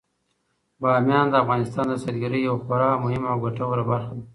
بامیان د افغانستان د سیلګرۍ یوه خورا مهمه او ګټوره برخه ده.